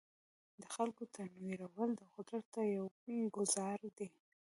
د خلکو تنویرول د قدرت ته یو ګوزار دی.